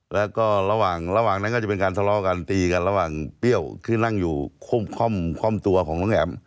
แล้วก็ระหว่างนั้นก็จะเป็นการทะเลาะกันตีกันระหว่างเปรี้ยวคือนั่งอยู่ค่อมตัวของน้องแอ๋ม